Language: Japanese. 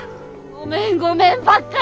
ごめんごめんばっかり！